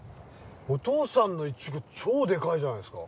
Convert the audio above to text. お父さんのイチゴ超デカいじゃないですか。